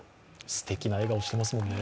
素敵な笑顔、していますもんね。